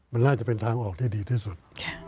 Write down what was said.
มันน่าจะเป็นทางออกที่ดีที่สุด